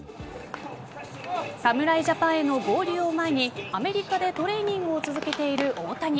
侍ジャパンへの合流を前にアメリカでトレーニングを続けている大谷。